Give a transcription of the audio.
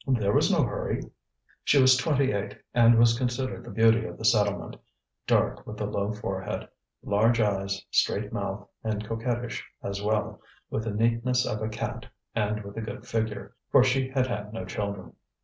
"There was no hurry." She was twenty eight, and was considered the beauty of the settlement, dark, with a low forehead, large eyes, straight mouth, and coquettish as well; with the neatness of a cat, and with a good figure, for she had had no children.